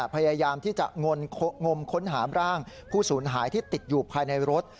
พยายามที่จะงมค้นหาร่างผู้สูญหายที่ติดอยู่ภายในรถ